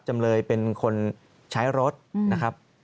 จำเลยเป็นคนใช้รถนะครับ